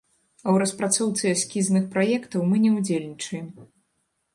А ў распрацоўцы эскізных праектаў мы не ўдзельнічаем.